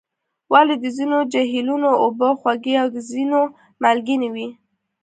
ولې د ځینو جهیلونو اوبه خوږې او د ځینو مالګینې وي؟